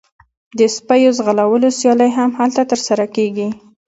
د سپیو ځغلولو سیالۍ هم هلته ترسره کیږي